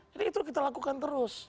jadi itu kita lakukan terus